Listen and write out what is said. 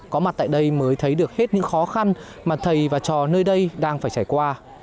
có mặt tại đây mới thấy được hết những khó khăn mà thầy và trò nơi đây đang phải trải qua